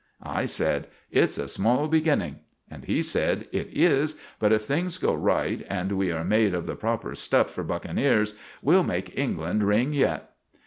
I sed, "It's a small begenning." And he sed, "It is; but if things go rite, and we are made of the propper stuff for buckeneers, we'll make England wring yet."